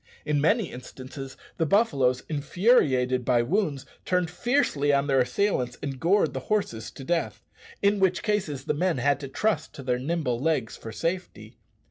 In many instances the buffaloes, infuriated by wounds, turned fiercely on their assailants and gored the horses to death, in which cases the men had to trust to their nimble legs for safety.